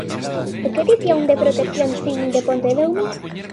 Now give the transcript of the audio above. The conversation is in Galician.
E que dicía un de Protección Civil de Pontedeume?